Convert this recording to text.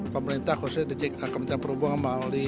pemerintah khusus dki perhubungan mali